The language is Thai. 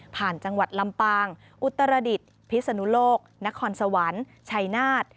จังหวัดลำปางอุตรดิษฐ์พิศนุโลกนครสวรรค์ชัยนาฏ